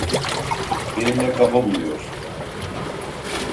Benimle kafa buluyorsun.